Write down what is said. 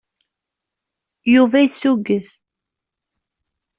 Yuba yessuget.